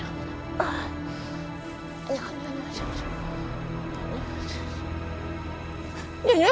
aku akan membunuhnya